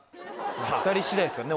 ２人次第ですからね